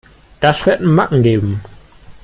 Das wird Macken geben.